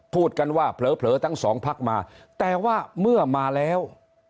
พูดกันว่าเผลอทั้งสองพักมาแต่ว่าเมื่อมาแล้ว